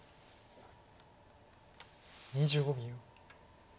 ２５秒。